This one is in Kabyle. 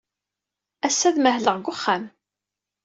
Ass-a, ad mahleɣ deg uxxam.